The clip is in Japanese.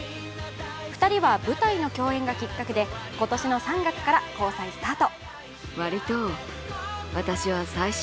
２人は舞台の共演がきっかけで今年の３月から交際スタート。